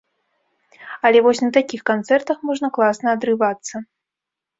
Але вось на такіх канцэртах можна класна адрывацца.